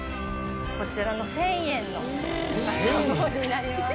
こちらの１０００円のものになります。